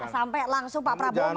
sampai langsung pak prabowo